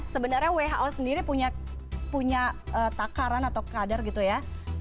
sebenarnya who sendiri punya takaran atau kadar gitu ya